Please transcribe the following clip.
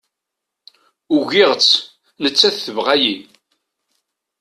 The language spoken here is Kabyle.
Ugiɣ-tt, nettat tebɣa-iyi